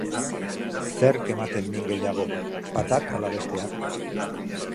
Zerk ematen min gehiago, batak ala besteak?